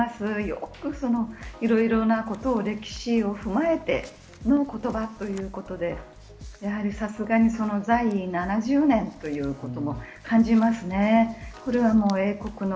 よく、いろいろなことを歴史を踏まえての言葉ということで、やはりさすがに７０年ということも感じますね。